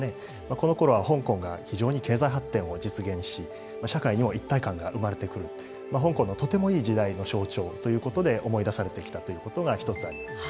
このころは香港が非常に経済発展を実現し、社会にも一体感が生まれてくる、香港のとてもいい時代の象徴ということで思い出されてきたということが一つあります。